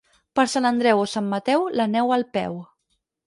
Per Sant Andreu o Sant Mateu, la neu al peu.